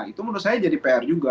itu menurut saya jadi pr juga